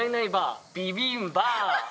ビビンバー。